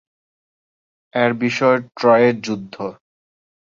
এর বিষয় ট্রয়ের যুদ্ধ।